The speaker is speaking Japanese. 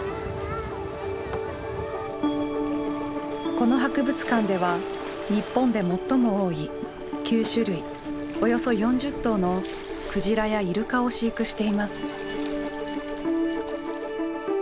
この博物館では日本で最も多い９種類およそ４０頭のクジラやイルカを飼育しています。